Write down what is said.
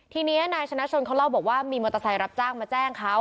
ทีนี้นายชนะชนเขาเล่าบอกว่ามีมอเตอร์ไซค์รับจ้างมาแจ้งเขา